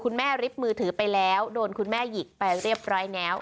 ริบมือถือไปแล้วโดนคุณแม่หยิกไปเรียบร้อยแล้ว